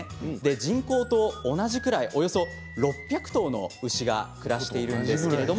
人口と同じくらいおよそ６００頭の牛が暮らしています。